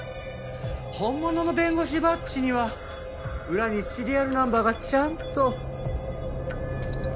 本物の弁護士バッジには裏にシリアルナンバーがちゃんと。